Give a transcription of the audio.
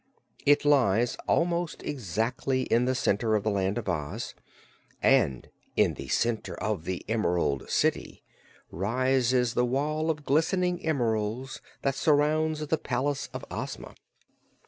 It lies almost exactly in the center of the Land of Oz, and in the center of the Emerald City rises the wall of glistening emeralds that surrounds the palace of Ozma.